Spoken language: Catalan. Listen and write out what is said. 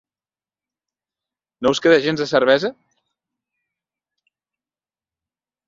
No us queda gens de cervesa?